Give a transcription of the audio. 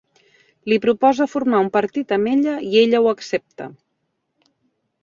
Li proposa formar un partit amb ella i ella ho accepta.